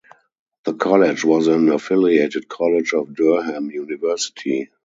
The college was an affiliated college of Durham University.